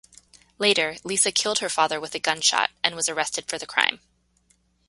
Later, Lisa killed her father with a gunshot and was arrested for the crime.